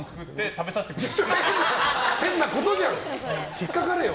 引っかかるよ。